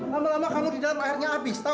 lama lama kamu di dalam akhirnya abis tau